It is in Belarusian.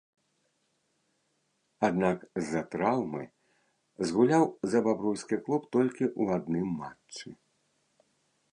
Аднак, з-за траўмы згуляў за бабруйскі клуб толькі ў адным матчы.